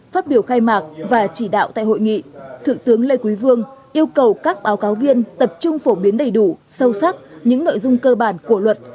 phát biểu khai mạc và chỉ đạo tại hội nghị thượng tướng lê quý vương yêu cầu các báo cáo viên tập trung phổ biến đầy đủ sâu sắc những nội dung cơ bản của luật